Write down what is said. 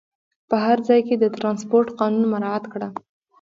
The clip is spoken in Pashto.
په هر ځای کې د ترانسپورټ قانون مراعات کړه.